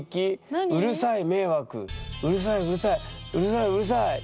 「『うるさい迷惑』『うるさい』『うるさい』『うるさい』『うるさい』」。